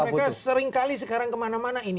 mereka sering kali sekarang kemana mana ini